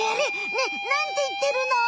ねえなんていってるの？